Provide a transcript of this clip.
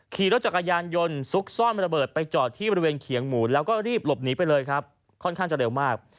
ขี่รถจักรยานยนต์ซุกซ่อนระเบิดไปจอดที่บริเวณเขียงหมูแล้วก็รีบหลบหนีไปเลยครับค่อนข้างจะเร็วมาก